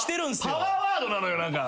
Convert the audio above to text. パワーワードなのよ何か。